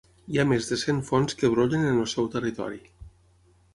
Hi ha més de cent fonts que brollen en el seu territori.